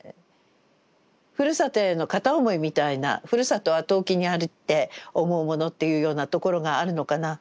ふるさとへの片思いみたいな「ふるさとは遠きにありて思ふもの」っていうようなところがあるのかな。